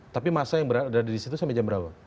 tapi masa yang berada di situ sampai jam berapa